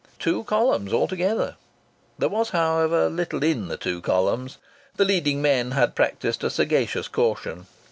Two columns altogether! There was, however, little in the two columns. The leading men had practised a sagacious caution.